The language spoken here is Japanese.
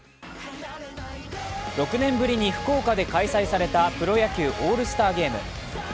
６年ぶりに福岡で開催されたプロ野球オールスターゲーム。